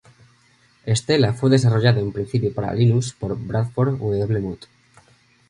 Estela fue desarrollado en principio para Linux por Bradford W. Mott.